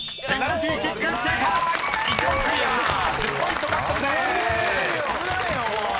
１０ポイント獲得です］